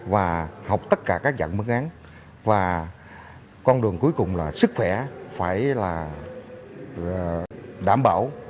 và học tất cả các dạng mức án và con đường cuối cùng là sức khỏe phải là đảm bảo